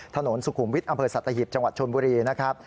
ถนนสุขุมวิทย์อำเภอสัตหิบจังหวัดชนบุรีนะครับ